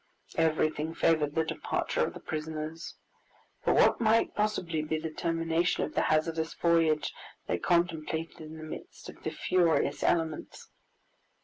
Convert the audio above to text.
Everything favored the departure of the prisoners, but what might possibly be the termination of the hazardous voyage they contemplated in the midst of the furious elements?